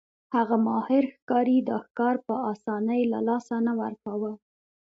هغه ماهر ښکاري دا ښکار په اسانۍ له لاسه نه ورکاوه.